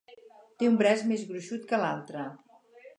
Té un braç més gruixut que l'altre.